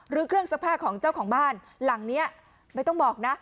เครื่องซักผ้าของเจ้าของบ้านหลังนี้ไม่ต้องบอกนะ